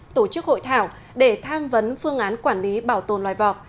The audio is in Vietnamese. tổ chức hội thảo để tham vấn phương án quản lý bảo tồn loài vọc